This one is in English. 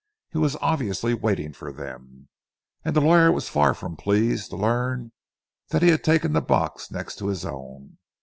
He was obviously waiting for them, and the lawyer was far from pleased to learn that he had taken the next box to his own.